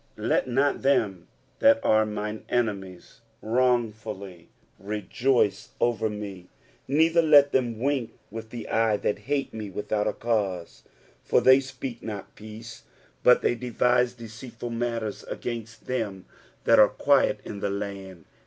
19 Let not them that arc mine enemies wrongfully rejoice over ,,..T,r D.GOO'^IC IGO BSPOSntOHS OF THE PSALUS. me : neitJter let them wink with the eye that hate me without a cause. 20 For they speak not peace : but they devise deceitful matters against them that are quiet in the land.